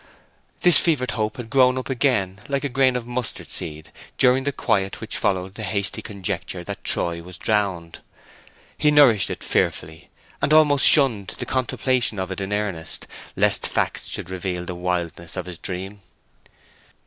This fevered hope had grown up again like a grain of mustard seed during the quiet which followed the hasty conjecture that Troy was drowned. He nourished it fearfully, and almost shunned the contemplation of it in earnest, lest facts should reveal the wildness of the dream.